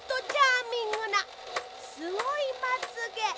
すごいまつげ！